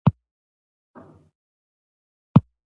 د بامیان په ورس کې کوم کان دی؟